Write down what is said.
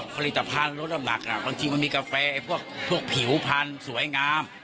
กินกาแฟในภูมิน้ำหนักสวยงาม